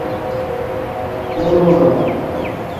پرونہ